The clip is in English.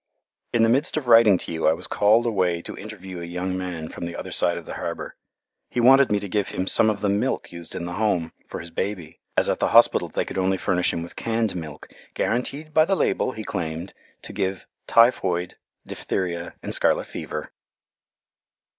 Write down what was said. In the midst of writing to you I was called away to interview a young man from the other side of the harbour. He wanted me to give him some of the milk used in the Home, for his baby, as at the hospital they could only furnish him with canned milk, guaranteed by the label, he claimed, to give "typhoid, diphtheria, and scarlet fever"!